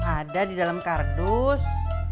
ada di dalam kardus